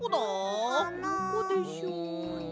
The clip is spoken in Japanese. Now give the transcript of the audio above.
どこでしょう？